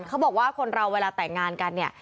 เขาบอกว่าคนเราเวลาแต่งงานกันเนี่ย